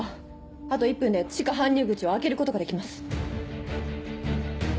あと１分で地下搬入口を開けることができます。